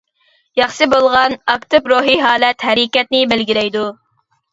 ياخشى بولغان، ئاكتىپ روھى ھالەت ھەرىكەتنى بەلگىلەيدۇ.